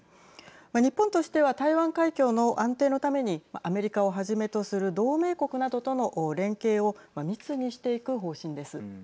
日本としては台湾海峡の安定のためにアメリカをはじめとする同盟国などとの連携を密にしていく方針です。